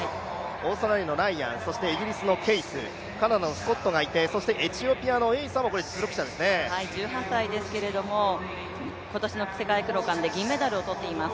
オーストラリアのライアンイギリスのケイス、カナダのスコットがいて、エチオピアの選手、１８歳ですけれども、今年の世界クロカンで銀メダルを取っています。